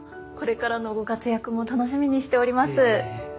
これからのご活躍も楽しみにしております。